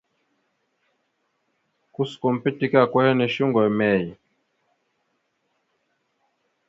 Kuskom pitike ako hinne shuŋgo emey ?